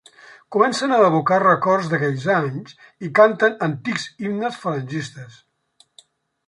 Comencen a evocar records d'aquells anys i canten antics himnes falangistes.